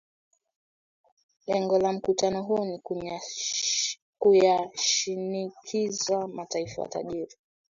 lengo la mkutano huo ni kuyashinikiza mataifa tajiri